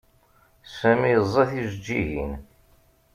Sami yeẓẓa tijeǧǧigin.